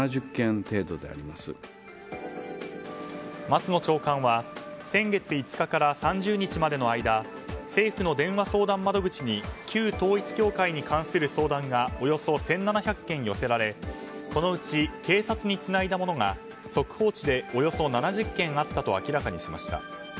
松野長官は先月５日から３０日までの間政府の電話相談窓口に旧統一教会に関する相談がおよそ１７００件寄せられこのうち、警察につないだものが速報値で、およそ７０件あったと明らかにしました。